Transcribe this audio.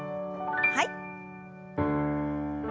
はい。